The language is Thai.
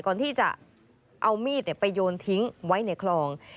ก่อนที่จะเอามีดไปโยนทิ้งไว้ในคลอง